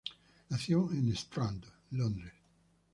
Nació en Strand, Londres.